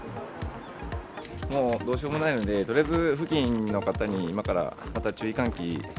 もうどうしようもないので、とりあえず付近の方に、今からまた注意喚起。